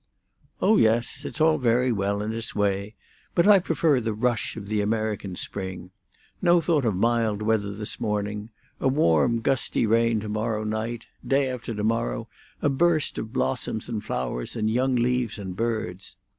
"Oh yes, it's very well in its way; but I prefer the rush of the American spring; no thought of mild weather this morning; a warm, gusty rain to morrow night; day after to morrow a burst of blossoms and flowers and young leaves and birds.